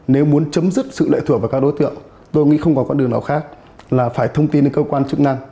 nếu muốn chấm dứt sự lệ thuộc vào các đối tượng tôi nghĩ không có con đường nào khác là phải thông tin đến cơ quan chức năng